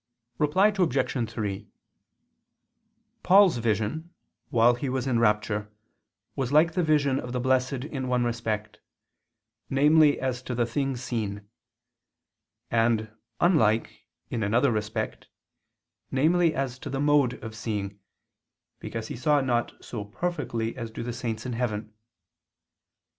Reply Obj. 3: Paul's vision, while he was in rapture, was like the vision of the blessed in one respect, namely as to the thing seen; and, unlike, in another respect, namely as to the mode of seeing, because he saw not so perfectly as do the saints in heaven.